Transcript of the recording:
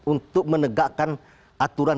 untuk menegakkan aturan